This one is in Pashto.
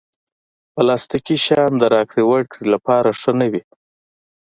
پلاستيکي شیان د راکړې ورکړې لپاره ښه نه وي.